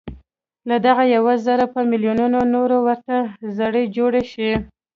له دغه يوه زړي په ميليونونو نور ورته زړي جوړ شي.